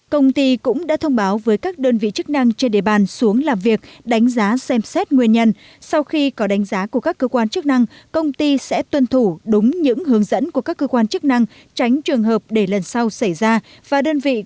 công ty cũng đã thông báo với các đơn vị chức năng trên địa bàn xuống làm việc đánh giá xem xét nguyên nhân sau khi có đánh giá của các cơ quan chức năng công ty sẽ tuân thủ đúng những hướng dẫn của các cơ quan chức năng tránh trường hợp để lần sau xảy ra và đơn vị